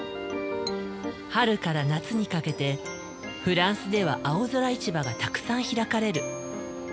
春から夏にかけてフランスでは青空市場がたくさん開かれる。